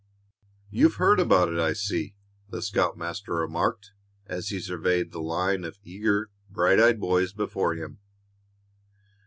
"You've heard about it, I see," the scoutmaster remarked as he surveyed the line of eager, bright eyed boys before him.